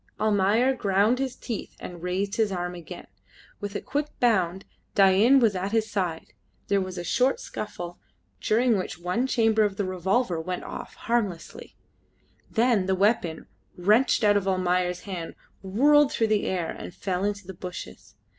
Almayer ground his teeth and raised his arm again. With a quick bound Dain was at his side: there was a short scuffle, during which one chamber of the revolver went off harmlessly, then the weapon, wrenched out of Almayer's hand, whirled through the air and fell in the bushes.